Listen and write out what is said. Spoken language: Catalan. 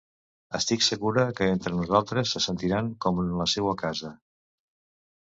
Estic segura que entre nosaltres se sentiran com en la seua casa.